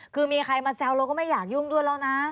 คือมีใครมาแซวเราก็ไม่อยากยุ่งด้วยแล้วนะ